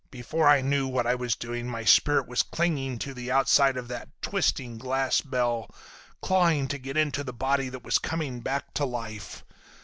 Before I knew what I was doing my spirit was clinging to the outside of that twisting glass bell, clawing to get into the body that was coming back to life!